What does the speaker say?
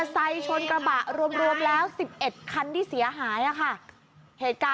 สายเก่าค่ะ